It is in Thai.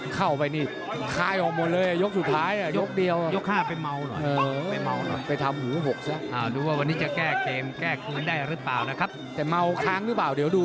เข้าออกไปขายออกมาเลยยกสุดท้าย